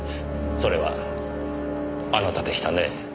それはあなたでしたねえ